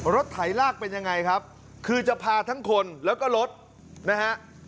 ไถลากเป็นยังไงครับคือจะพาทั้งคนแล้วก็รถนะฮะ